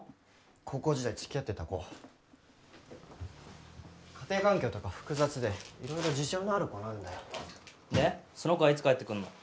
高校時代付き合ってた子家庭環境とか複雑で色々事情のある子なんだよでその子はいつ帰ってくるの？